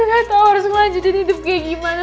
nggak tau harus ngelanjutin hidup kayak gimana